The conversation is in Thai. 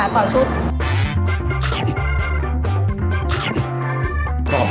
ขอบคุณครับ